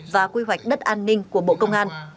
và quy hoạch đất an ninh của bộ công an